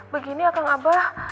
begini kang abah